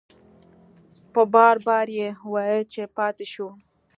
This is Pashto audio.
په بار بار یې وویل چې پاتې شو.